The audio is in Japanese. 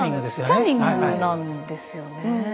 チャーミングなんですよね。